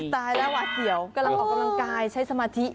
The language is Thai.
ตายแล้วหวาดเสียวกำลังออกกำลังกายใช้สมาธิ